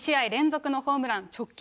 ２試合連続のホームラン。